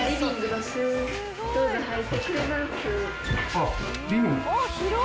あっリビング。